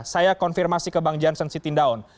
saya konfirmasi ke bang jansen sitindaun